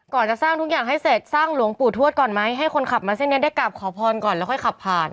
จะสร้างทุกอย่างให้เสร็จสร้างหลวงปู่ทวดก่อนไหมให้คนขับมาเส้นนี้ได้กลับขอพรก่อนแล้วค่อยขับผ่าน